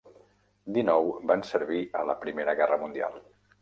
Dinou van servir a la Primera Guerra Mundial.